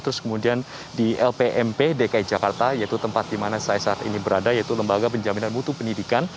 terus kemudian di lpmp dki jakarta yaitu tempat di mana saya saat ini berada yaitu lembaga penjaminan mutu pendidikan